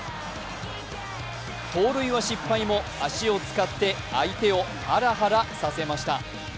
盗塁は失敗も、足を使って相手をハラハラさせました。